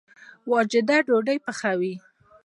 واجده ډوډۍ پخوي